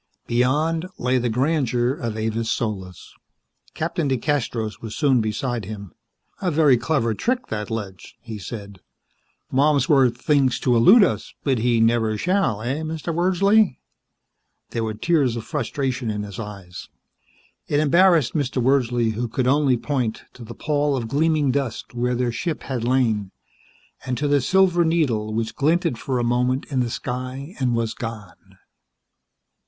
Beyond lay the grandeur of Avis Solis. Captain DeCastros was soon beside him. "A very clever trick, that ledge," he said. "Malmsworth thinks to elude us, but he never shall, eh, Mr. Wordsley?" There were tears of frustration in his eyes. It embarrassed Mr. Wordsley, who could only point to the pall of gleaming dust where their ship had lain, and to the silver needle which glinted for a moment in the sky and was gone.